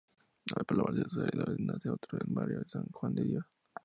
Al poblarse sus alrededores nace otro barrio, San Juan de Dios.